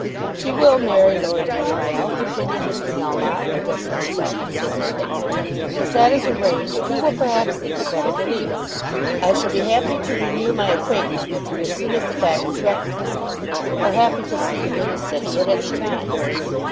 "She will marry Lord Nidderdale," continued Mr. Melmotte, addressing himself to Sir Felix. "As that is arranged, you will perhaps think it better to leave us. I shall be happy to renew my acquaintance with you as soon as the fact is recognised; or happy to see you in the city at any time."